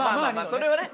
それはね。